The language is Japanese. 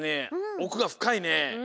おくがふかいね。